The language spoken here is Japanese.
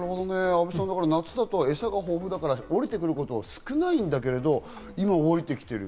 阿部さん、夏だと餌が豊富だから下りてくること少ないんだけど、今下りてきてる。